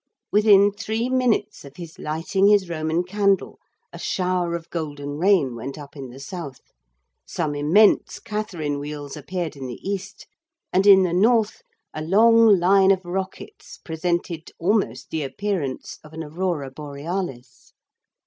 Within three minutes of his lighting his Roman candle a shower of golden rain went up in the south, some immense Catherine wheels appeared in the east, and in the north a long line of rockets presented almost the appearance of an aurora borealis.